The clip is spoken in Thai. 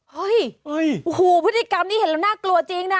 เห้ยพฤษฐีกรรมนี้เห็นแล้วน่ากลัวจริงนะ